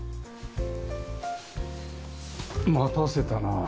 待たせたなあ。